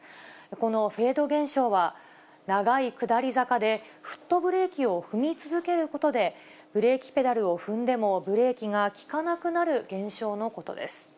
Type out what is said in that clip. このフェード現象は、長い下り坂でフットブレーキを踏み続けることで、ブレーキペダルを踏んでも、ブレーキが利かなくなる現象のことです。